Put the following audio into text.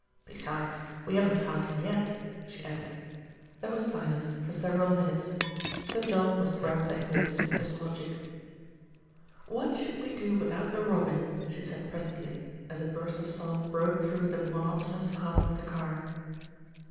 "Besides, we haven't found him yet," she added. There was silence for several minutes. Sir John was grappling with his sister's logic. 315 316 THE RETURN OF ALFRED "What should we do without the robin," she said presently, as a burst of song broke through the mo notonous hum of the car.